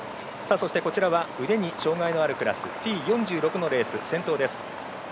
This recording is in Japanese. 腕に障がいのあるクラスＴ４６のレース先頭です。